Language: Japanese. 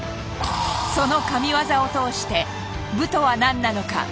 その神業を通して武とは何なのか？